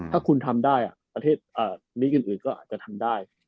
ถ้าคุณทำได้ประเทศนี้อื่นก็อาจจะทำได้